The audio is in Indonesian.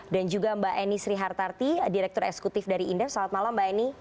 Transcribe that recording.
dan juga mbak eni srihartarti direktur eksekutif dari indef selamat malam mbak eni